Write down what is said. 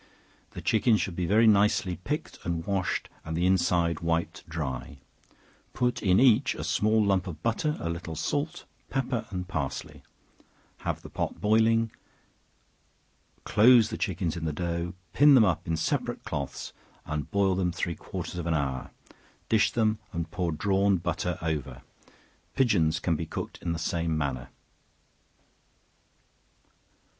The chickens should be very nicely picked and washed, and the inside wiped dry; put in each a small lump of butter, a little salt, pepper, and parsley; have the pot boiling, close the chickens in the dough, pin them up in separate cloths, and boil them three quarters of an hour; dish them, and pour drawn butter over. Pigeons can be cooked in the same manner.